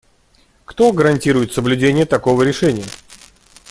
Кто гарантирует соблюдение такого решения?